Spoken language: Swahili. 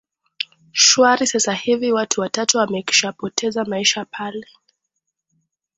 shwari sasa hivi watu watatu wamekwishapoteza maisha pale